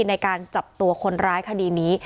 ในการจับตัวคนร้ายคดีนี้